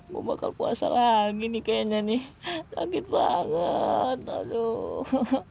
gue bakal puasa lagi nih kayaknya nih sakit banget aduh